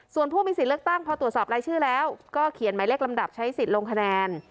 ส่วนผู้มีสิทธิ์เลือกตั้งพอตรวจสอบรายชื่อแล้วก็เขียนหมายเลขลำดับใช้สิทธิ์ลงคะแนน